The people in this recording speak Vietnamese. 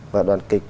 và đoàn kịch